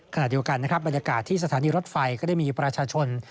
ขณะเดียวกันนะครับบรรยากาศที่สถานีรถไฟก็ได้มีประชาชน